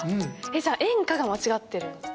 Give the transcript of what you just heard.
じゃあ演歌が間違ってるんですね。